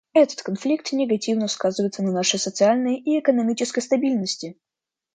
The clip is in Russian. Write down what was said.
Этот конфликт негативно сказывается на нашей социальной и экономической стабильности.